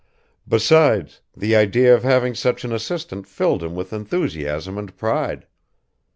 Besides, the idea of having such an assistant filled him with enthusiasm and pride.